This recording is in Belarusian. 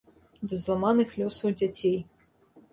Да зламаных лёсаў дзяцей.